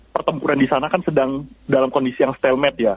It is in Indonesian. pertempuran di sana kan sedang dalam kondisi yang stylemet ya